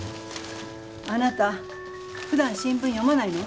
あなたふだん新聞読まないの？